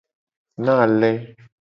Na ale.